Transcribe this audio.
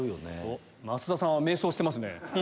増田さんは迷走してますね。